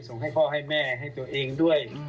ส่งให้พ่อให้แม่ให้ตัวเองด้วย